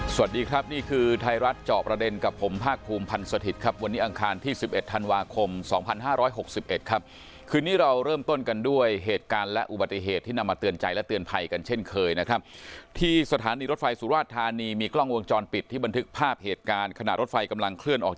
สวัสดีครับนี่คือไทยรัฐจอบประเด็นกับผมภาคภูมิพันธ์สถิตย์ครับวันนี้อังคารที่๑๑ธันวาคม๒๕๖๑ครับคืนนี้เราเริ่มต้นกันด้วยเหตุการณ์และอุบัติเหตุที่นำมาเตือนใจและเตือนภัยกันเช่นเคยนะครับที่สถานีรถไฟสุราชธานีมีกล้องวงจรปิดที่บันทึกภาพเหตุการณ์ขณะรถไฟกำลังเคลื่อนออก